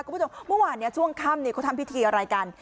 ก็บอกว่าวันนี้ช่วงค่ำเขาทำพิธีอะไรกัน